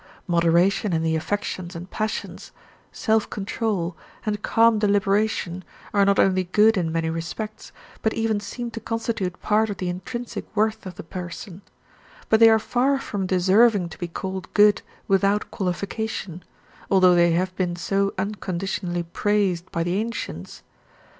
Moderation in the affections and passions, self control, and calm deliberation are not only good in many respects, but even seem to constitute part of the intrinsic worth of the person; but they are far from deserving to be called good without qualification, although they have been so unconditionally praised by the ancients.